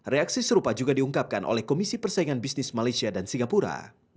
reaksi serupa juga diungkapkan oleh komisi persaingan bisnis malaysia dan singapura